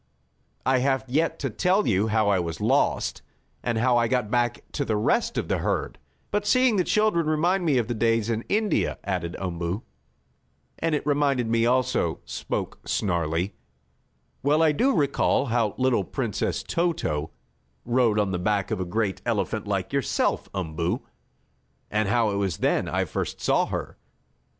"I have yet to tell you how I was lost, and how I got back to the rest of the herd. But seeing the children remind me of the days in India," added Umboo. "And it reminded me also," spoke Snarlie. "Well do I recall how little Princess Toto rode on the back of a great elephant like yourself, Umboo, and how it was then I first saw her.